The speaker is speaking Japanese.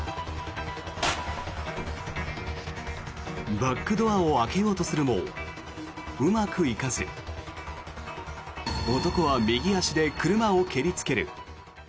バックドアを開けようとするもうまくいかず男は右足で車を蹴りつける。